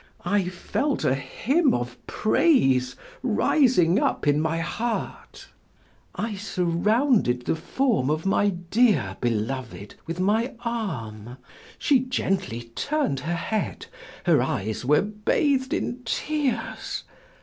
I felt a hymn of praise rising up in my heart. I surrounded the form of my dear beloved with my arm; she gently turned her head; her eyes were bathed in tears.